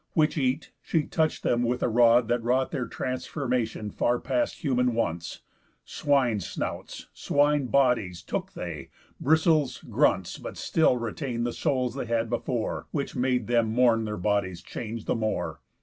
Which eat, she touch'd them with a rod that wrought Their transformation far past human wonts; Swine's snouts, swine's bodies, took they, bristles, grunts, But still retain'd the souls they had before, Which made them mourn their bodies' change the more.